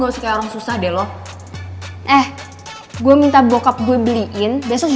tertepok di paris